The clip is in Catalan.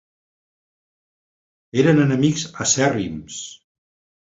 Eren enemics acèrrims.